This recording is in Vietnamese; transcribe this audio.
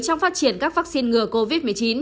trong phát triển các vaccine ngừa covid một mươi chín